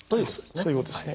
そういうことですね。